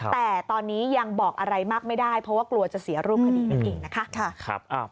แต่ตอนนี้ยังบอกอะไรมากไม่ได้เพราะว่ากลัวจะเสียรูปคดีนั่นเองนะคะ